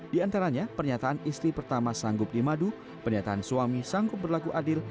di antaranya pernyataan istri pertama sanggup di madu pernyataan suami sanggup berlaku adil